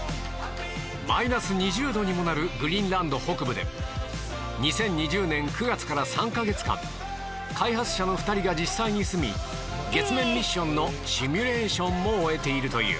マイナス２０度にもなるグリーンランド北部で２０２０年９月から３カ月間開発者の２人が実際に住み月面ミッションのシミュレーションも終えているという